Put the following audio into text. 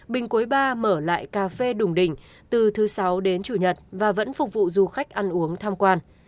bình cuối ba mở lại cà phê đủng đỉnh từ thứ sáu đến chủ nhật và vẫn phục vụ du khách ăn uống tham quan